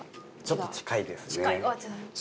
ちょっと近いですね。